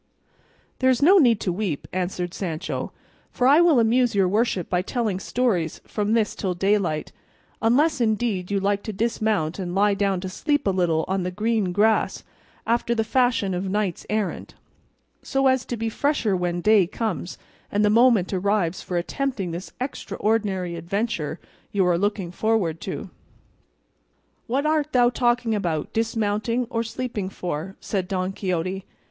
"There is no need to weep," answered Sancho, "for I will amuse your worship by telling stories from this till daylight, unless indeed you like to dismount and lie down to sleep a little on the green grass after the fashion of knights errant, so as to be fresher when day comes and the moment arrives for attempting this extraordinary adventure you are looking forward to." "What art thou talking about dismounting or sleeping for?" said Don Quixote.